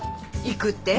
行くって？